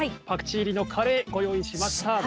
パクチー入りのカレーご用意しました。